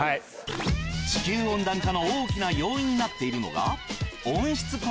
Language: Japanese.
地球温暖化の大きな要因になっているのが。